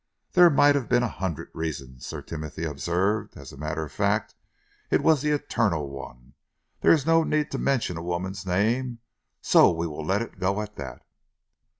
"There might have been a hundred reasons," Sir Timothy observed. "As a matter of fact, it was the eternal one. There is no need to mention a woman's name, so we will let it go at that."